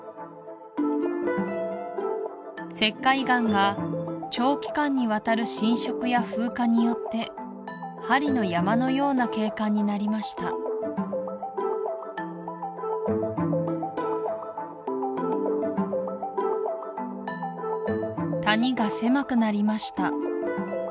石灰岩が長期間にわたる浸食や風化によって針の山のような景観になりました谷が狭くなりました